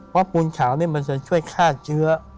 เพราะปูนขาวนี่มันจะช่วยฆ่าเชื้อ